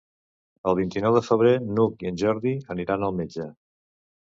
El vint-i-nou de febrer n'Hug i en Jordi aniran al metge.